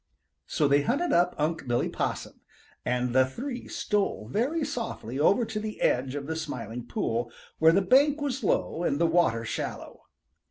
So they hunted up Unc' Billy Possum, and the three stole very softly over to the edge of the Smiling Pool, where the bank was low and the water shallow.